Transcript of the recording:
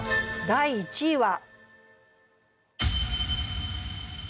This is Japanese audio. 第２位は。